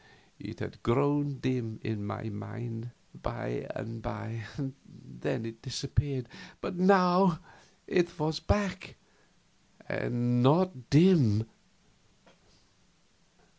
It had grown dim in my mind, by and by, then it disappeared; but it was back now, and not dim.